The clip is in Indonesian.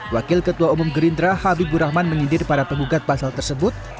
wakil ketua umum gerindra habibur rahman menyindir para penggugat pasal tersebut